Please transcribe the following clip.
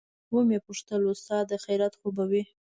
ومې پوښتل استاده خيريت خو به وي.